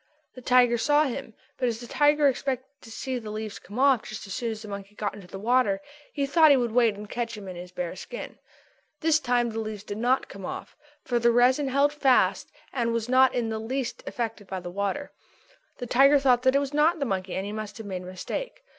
The tiger saw him, but as the tiger expected to see the leaves come off just as soon as the monkey got into the water, he thought he would wait and catch him in his bare skin. This time the leaves did not come off, for the resin held them fast and was not in the least affected by the water. The tiger thought that it was not the monkey and that he must have made a mistake.